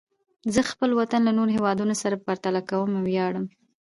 زه خپل وطن له نورو هېوادونو سره پرتله کوم او ویاړم.